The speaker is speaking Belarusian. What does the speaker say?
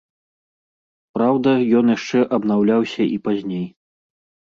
Праўда, ён яшчэ абнаўляўся і пазней.